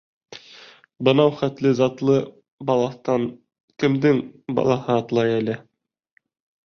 — Бынау хәтле затлы балаҫтан кемдең балаһы атлай әле?